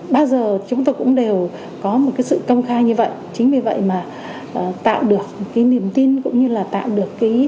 bây giờ chúng tôi cũng đều có một sự công khai như vậy chính vì vậy mà tạo được niềm tin cũng như là tạo được